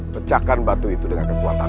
pecahkan batu itu dengan kekuatan